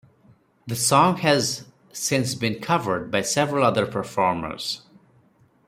The song has since been covered by several other performers.